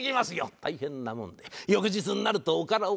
大変なもんで翌日になるとおからを持ってくる。